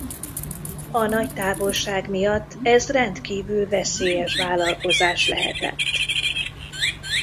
A nagy távolság miatt ez rendkívül veszélyes vállalkozás lehetett.